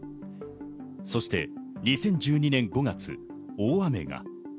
そして２０１２年５月、大雨が。